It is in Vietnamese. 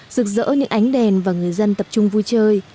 rực rỡ những ánh đèn và người dân tập trung vui chơi